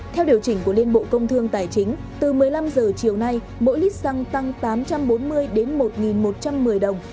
theo điều chỉnh của liên bộ công thương tài chính từ một mươi năm h chiều nay mỗi lít xăng tăng tám trăm bốn mươi đến một một trăm một mươi đồng